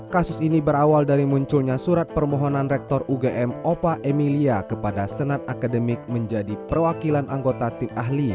kasus ini berawal dari munculnya surat permohonan rektor ugm opa emilia kepada senat akademik menjadi perwakilan anggota tim ahli